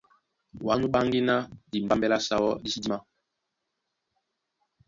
Wǎ nú ɓáŋgí ná dimbámbɛ́ lá Sáwá dí sí dímá.